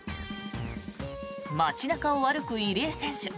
街中を歩く入江選手。